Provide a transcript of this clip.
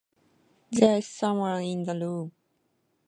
There is someone in the room.